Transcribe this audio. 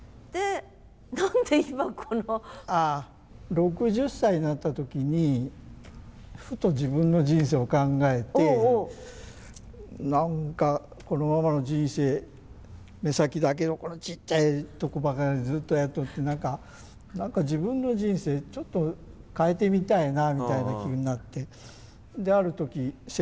６０歳になった時にふと自分の人生を考えて何かこのままの人生目先だけのこのちっちゃいとこばかりずっとやっとって何か自分の人生ちょっと変えてみたいなみたいな気になってである時船頭さんの募集がありまして。